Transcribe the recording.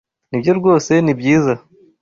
Nibyo rwose ni byiza.